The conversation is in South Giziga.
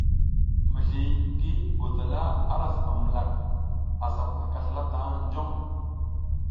Mizli ngi godola ara zibam milak a sa pulaka slala tang jong.